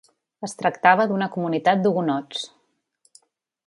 Es tractava d'una comunitat d'hugonots.